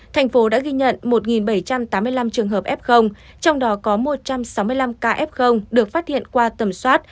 thành phố đã ghi nhận một bảy trăm tám mươi năm trường hợp f trong đó có một trăm sáu mươi năm ca f được phát hiện qua tầm soát